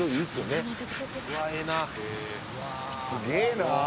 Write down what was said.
「すげえな！